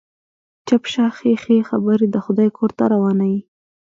چپ شه، ښې ښې خبرې د خدای کور ته روانه يې.